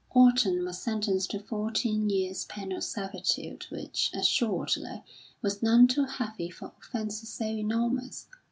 Orton was sentenced to fourteen years' penal servitude which, assuredly, was none too heavy for offences so enormous.